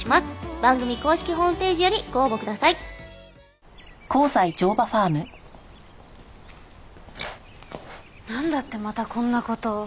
番組公式ホームページよりご応募くださいなんだってまたこんな事を？